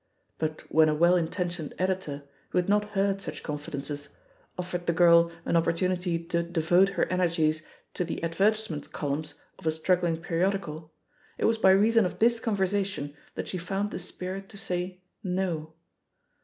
But when a well intentioned editor, who had not heard such confidences, oflFered the girl an opportunity to devote her energies to the advertisement columns of a struggling periodical, it was by reason of this conversation that she found the spirit to say no.